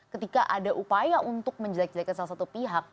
ketika ada upaya untuk menjelek jelekkan salah satu pihak